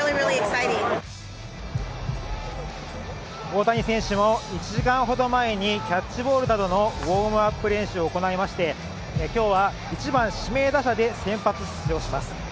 大谷選手も１時間ほど前にキャッチボールなどのウォームアップ練習を行いまして今日は１番・指名打者で先発出場します。